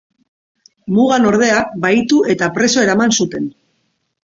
Mugan, ordea, bahitu eta preso eraman zuten.